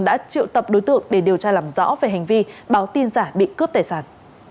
đã triệu tập đối tượng để điều tra làm rõ về hành vi báo tin giả bị cướp tài sản